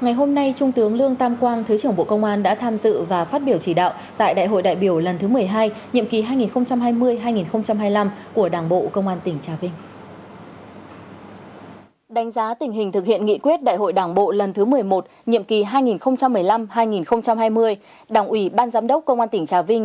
ngày hôm nay trung tướng lương tam quang thứ trưởng bộ công an đã tham dự và phát biểu chỉ đạo tại đại hội đại biểu lần thứ một mươi hai nhiệm kỳ hai nghìn hai mươi hai nghìn hai mươi năm của đảng bộ công an tỉnh trà vinh